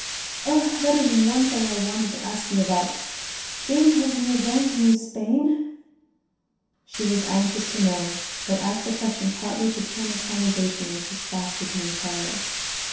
"Oh! that is one thing I wanted to ask you about. Jane tells me you are going to New Spain?" She was anxious to know, but asked the question partly to turn the conversation which was fast becoming perilous.